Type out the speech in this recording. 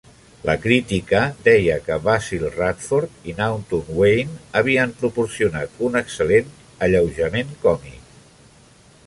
La crítica deia que Basil Radford i Naunton Wayne havien "proporcionat un excel·lent alleujament còmic".